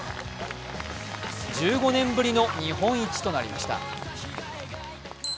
１５年ぶりの日本一となりました。